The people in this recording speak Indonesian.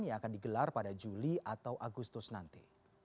yang akan digelar pada juli atau agustus nanti